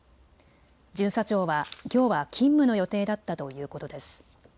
巡査長は、きょうは勤務の予定だったということです。